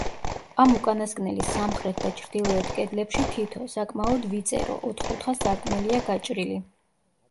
ამ უკანასკნელის სამხრეთ და ჩრდილოეთ კედლებში თითო, საკმაოდ ვიწერო, ოთკუთხა სარკმელია გაჭრილი.